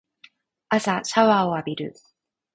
朝シャワーを浴びる